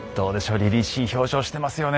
りりしい表情してますよね。